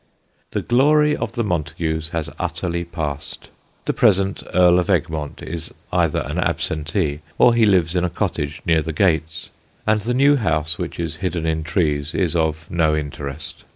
The glory of the Montagus has utterly passed. The present Earl of Egmont is either an absentee or he lives in a cottage near the gates; and the new house, which is hidden in trees, is of no interest.